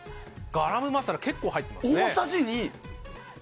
ガラムマサラ結構入ってますね。